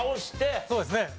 そうですね。